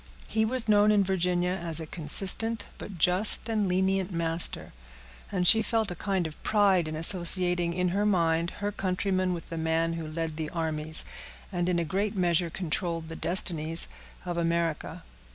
He was known in Virginia as a consistent but just and lenient master; and she felt a kind of pride in associating in her mind her countryman with the man who led the armies, and in a great measure controlled the destinies, of America.